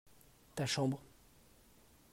Ta chambre.